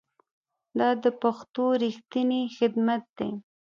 دا د پښتو ریښتینی خدمت دی.